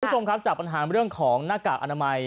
คุณผู้ชมครับจากปัญหาเรื่องของหน้ากากอนามัย